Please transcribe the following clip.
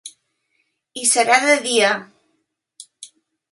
I serà de dia…